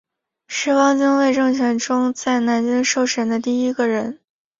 是汪精卫政权中在南京受审的第一个人。